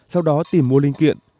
sau đó tìm mua linh kiện